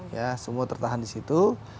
ya semua tertahan di situ